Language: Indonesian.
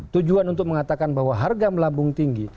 tujuan untuk mengatakan bahwa harga melambung tinggi